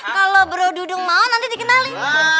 kalau bro dudung mau nanti dikenalin